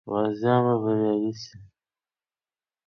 غازیان به بریالي سي.